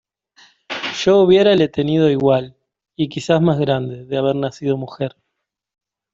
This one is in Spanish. yo hubiérale tenido igual, y quizá más grande , de haber nacido mujer: